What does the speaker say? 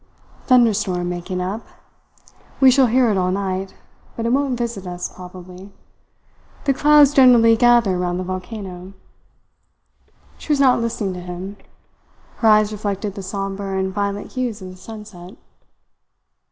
"Thunderstorm making up. We shall hear it all night, but it won't visit us, probably. The clouds generally gather round the volcano." She was not listening to him. Her eyes reflected the sombre and violent hues of the sunset.